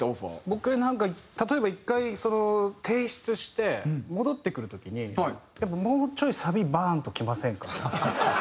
僕なんか例えば１回提出して戻ってくる時に「もうちょいサビバーン！ときませんか？」とか。